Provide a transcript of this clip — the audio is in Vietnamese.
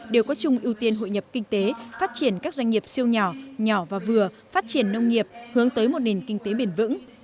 đều có chung ưu tiên hội nhập kinh tế phát triển các doanh nghiệp siêu nhỏ nhỏ và vừa phát triển nông nghiệp hướng tới một nền kinh tế bền vững